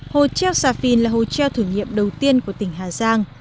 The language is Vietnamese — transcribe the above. hồ treo sà phi là hồ treo thử nghiệm đầu tiên của tỉnh hà giang